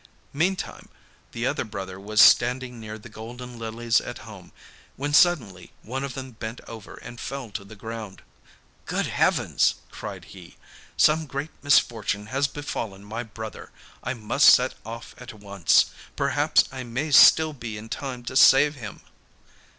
Meantime, the other brother was standing near the golden lilies at home, when suddenly one of them bent over and fell to the ground. 'Good heavens!' cried he, 'some great misfortune has befallen my brother. I must set off at once; perhaps I may still be in time to save him.